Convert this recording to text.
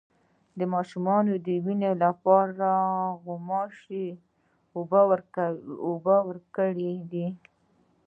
د ماشوم د وینې لپاره د غوښې اوبه ورکړئ